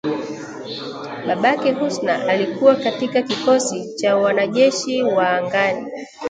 Babake Husna alikuwa katika kikosi cha wanajeshi wa angani